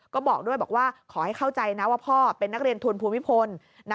ก็บอกด้วยบอกว่าขอให้เข้าใจนะว่าพ่อเป็นนักเรียนทุนภูมิพล